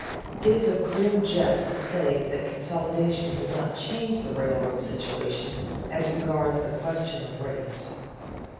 It is a grim jest to say that consolidation does not change the railroad situation as regards the question of rates.